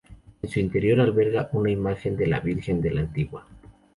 En su interior alberga una imagen de la Virgen de la Antigua.